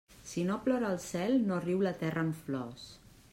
Si no plora el cel, no riu la terra amb flors.